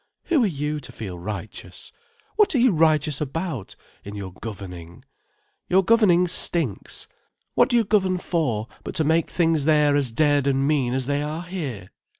Who are you, to feel righteous? What are you righteous about, in your governing? Your governing stinks. What do you govern for, but to make things there as dead and mean as they are here!"